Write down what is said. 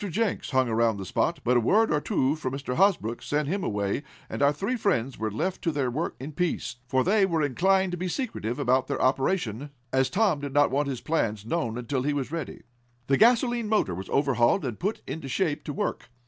Jenks hung around the spot, but a word or two from Mr. Hosbrook sent him away, and our three friends were left to their work in peace, for they were inclined to be secretive about their operations, as Tom did not want his plans known until he was ready. The gasolene motor was overhauled, and put in shape to work.